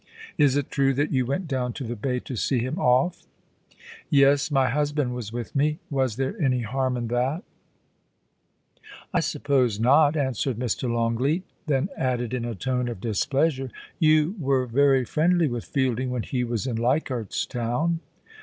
* Is it true that you went down to the Bay to see him off?* * Yes. My husband was with me. Was there any harm in that P' THE WEAVING OF THE SPELL. z^ * I suppose not,' answered Mr. Longleat Then added in a tone of displeasure, 'You were very friendly with Fielding when he was in Leichardt's Town.'